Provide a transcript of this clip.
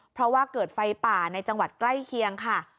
เพราะว่าเกิดไฟป่าในจังหวัดใกล้เคียงค่ะ